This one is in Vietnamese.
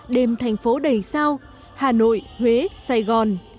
đêm thành phố đầy sao hà nội huế sài gòn